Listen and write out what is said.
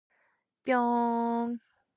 終わりました。